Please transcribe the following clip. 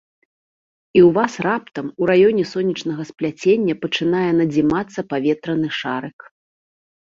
І ў вас раптам у раёне сонечнага спляцення пачынае надзімацца паветраны шарык.